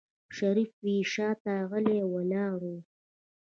شريف يې شاته غلی ولاړ و.